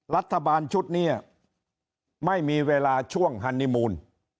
รัฐบาลชุดนี้ไม่มีเวลาช่วงฮันนิมูล